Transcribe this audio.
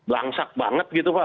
langsak banget gitu pak